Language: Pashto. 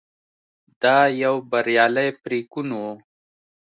دا یو بریالی پرېکون و.